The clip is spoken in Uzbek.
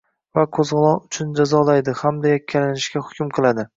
va qo‘zg‘olon uchun jazolaydi hamda yakkalanishga hukm qiladi.